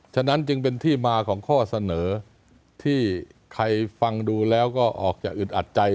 ฉะนั้นจึงเป็นที่มาของข้อเสนอที่ใครฟังดูแล้วก็ออกจะอึดอัดใจ